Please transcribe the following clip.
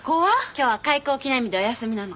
今日は開校記念日でお休みなの。